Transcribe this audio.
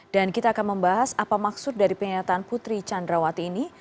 dan kita akan membahas apa maksud dari penyataan putri chandrawati ini